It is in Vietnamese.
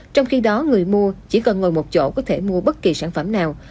trong khi đó người mua chỉ cần ngồi một chỗ có thể mua bất kỳ sản phẩm nào